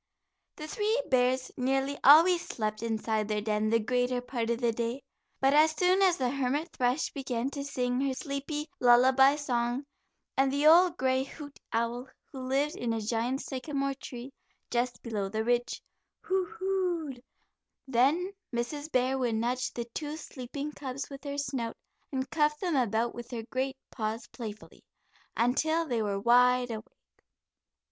The three bears nearly always slept inside their den the greater part of the day, but as soon as the hermit thrush began to sing her sleepy lullaby song, and the old gray hoot owl, who lived in a giant sycamore tree just below the Ridge, "who oo, oo'd," then Mrs. Bear would nudge the two sleeping cubs with her snout, and cuff them about with her great paws playfully, until they were wide awake.